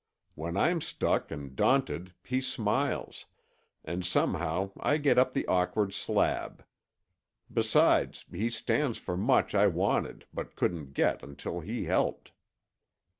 When I'm stuck and daunted he smiles, and somehow I get up the awkward slab. Besides, he stands for much I wanted but couldn't get until he helped."